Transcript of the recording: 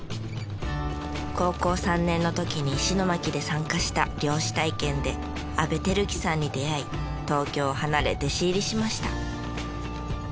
高校３年の時に石巻で参加した漁師体験で阿部輝喜さんに出会い東京を離れ弟子入りしました。